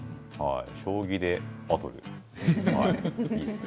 将棋でバトル、いいですね。